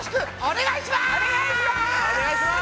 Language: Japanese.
お願いします！